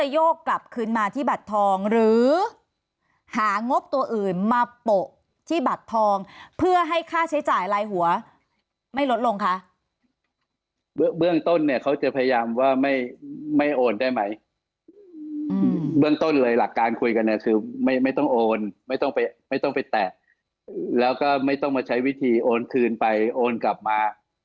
เรื่องต้นเนี้ยเขาจะพยายามว่าไม่ไม่โอนได้ไหมแล้วก็ไม่ต้องมาใช้วิธีโอนทืนไปโอนกลับมา